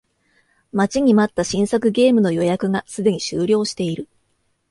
待ちに待った新作ゲームの予約がすでに終了している